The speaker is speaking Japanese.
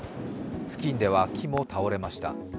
付近では木も倒れました。